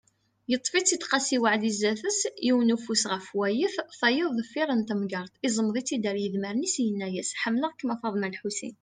Yeṭṭef-itt-id Qasi waɛli zdat-s, yiwen ufus ɣef wayet, tayeḍ deffir n temgerḍt, iẓmeḍ-itt-id ar yidmaren-is, yenna-yas: Ḥemmleɣ-kem a Faḍma lḥusin.